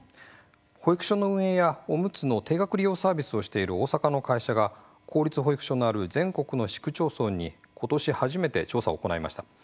保育所の運営やおむつの定額利用サービスをしている大阪の会社が公立保育所のある全国の市区町村にことし初めて調査を行いました。